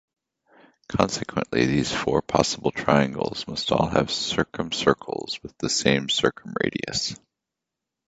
Consequently these four possible triangles must all have circumcircles with the same circumradius.